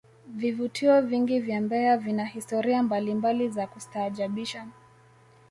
vivutio vingi vya mbeya vina historia mbalimbali za kustaajabisha